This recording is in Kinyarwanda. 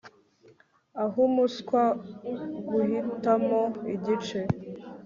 Ah umuswa guhitamo igice